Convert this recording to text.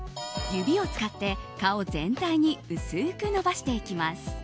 指を使って顔全体に薄く伸ばしていきます。